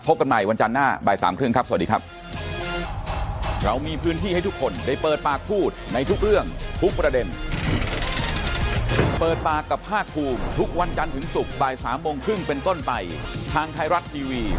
กันใหม่วันจันทร์หน้าบ่ายสามครึ่งครับสวัสดีครับ